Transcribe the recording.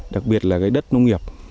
đặc biệt là đất nông nghiệp